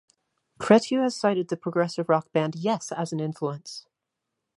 Cretu has cited the progressive rock band Yes as an influence.